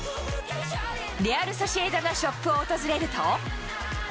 レアル・ソシエダのショップを訪れると。